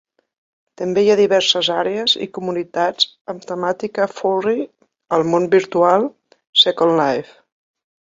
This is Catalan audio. També hi ha diverses àrees i comunitats amb temàtica "furry" al món virtual "Second Life".